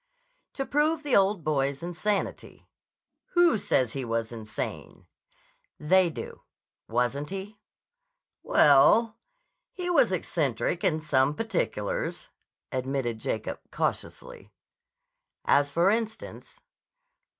"To prove the old boy's insanity." "Who says he was insane?" "They do. Wasn't he?" "Well, he was eccentric in some particulars," admitted Jacob cautiously. "As for instance?"